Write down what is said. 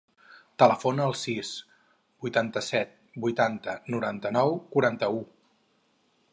Telefona al sis, vuitanta-set, vuitanta, noranta-nou, quaranta-u.